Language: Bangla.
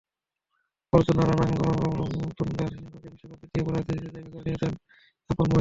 অর্জুনা রানাতুঙ্গা শ্রীলঙ্কাকে বিশ্বকাপ জিতিয়ে পরে রাজনীতিতেও জায়গা করে নিয়েছেন আপন মহিমায়।